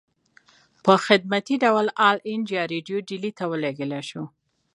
پۀ خدمتي ډول آل انډيا ريډيو ډيلي ته اوليږلی شو